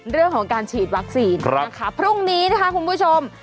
เรื่องของการฉีดวัคซีนนะคะพรุ่งนี้นะคะคุณผู้ชม